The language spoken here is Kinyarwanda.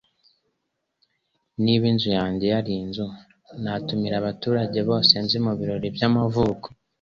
Niba inzu yanjye yari inzu natumira abantu bose nzi mubirori byamavuko